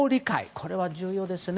これは重要ですね。